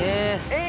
え！